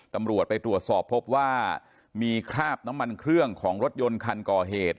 ตำรวจไปตรวจสอบพบว่ามีคราบน้ำมันเครื่องของรถยนต์คันก่อเหตุ